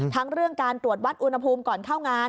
ทั้งเรื่องการตรวจวัดอุณหภูมิก่อนเข้างาน